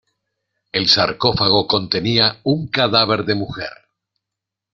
El sarcófago contenía un cadáver de mujer.